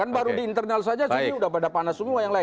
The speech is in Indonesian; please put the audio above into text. kan baru di internal saja sudah panas semua